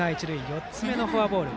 ４つ目のフォアボール。